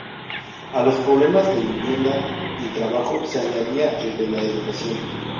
A los problemas de vivienda y trabajo se añadía el de la educación.